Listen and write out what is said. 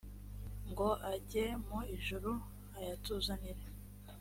ngo ajye mu ijuru ayatuzanire